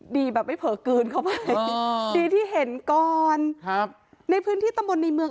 ดีแบบไม่เผลอกลืนเข้าไปดีที่เห็นก่อนครับในพื้นที่ตำบลในเมือง